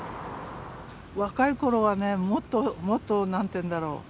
若い頃はねもっともっと何て言うんだろう